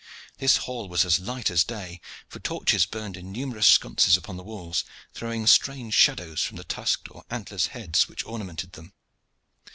This hall was as light as day, for torches burned in numerous sconces upon the walls, throwing strange shadows from the tusked or antlered heads which ornamented them.